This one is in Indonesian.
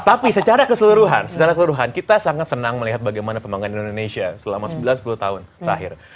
jadi secara keseluruhan kita sangat senang melihat bagaimana pembangunan indonesia selama sembilan sepuluh tahun terakhir